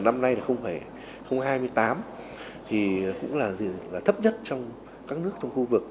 năm nay không phải hai mươi tám thì cũng là dịch thấp nhất trong các nước trong khu vực